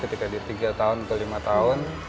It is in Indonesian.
ketika dalam tiga atau lima tahun